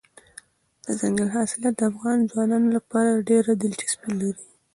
دځنګل حاصلات د افغان ځوانانو لپاره ډېره دلچسپي لري.